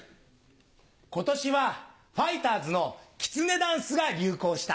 今年はファイターズのきつねダンスが流行した。